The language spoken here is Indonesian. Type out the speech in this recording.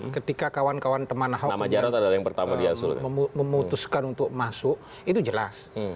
ketika kawan kawan teman ahok jarod memutuskan untuk masuk itu jelas